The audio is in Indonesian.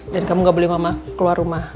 dan kamu gak boleh mama keluar rumah